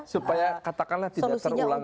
supaya katakanlah tidak terulang